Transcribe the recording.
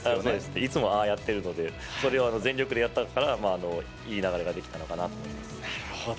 いつもああやってるので、それを全力でやったから、いい流れができたのかなと思なるほど。